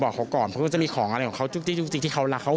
บอกเขาก่อนเขาจะมีของอะไรของเขาที่ที่เขารักเขา